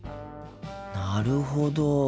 なるほど。